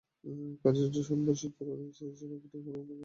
কাজের যেসব বৈচিত্র্য রয়েছে, তার একটিও আমার নতুন কাজের মধ্যে ছিল না।